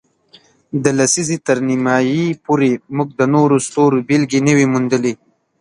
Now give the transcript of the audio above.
د لسیزې تر نیمایي پورې، موږ د نورو ستورو بېلګې نه وې موندلې.